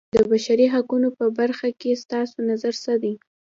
د بشري حقونو په برخه کې ستاسو نظر څه دی.